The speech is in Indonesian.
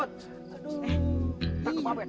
kala gua ada yang ngelepak